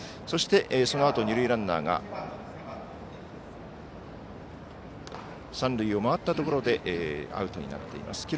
そして、そのあと二塁ランナーが三塁を回ったところでアウトになっています。